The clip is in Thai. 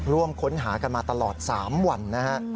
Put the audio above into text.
ร่วมค้นหากันมาตลอด๓วันนะฮะ